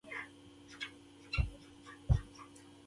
د تاریخ بې شمېره ځوانمراده کرکټرونه د اربکي لښکرو زېږنده وو.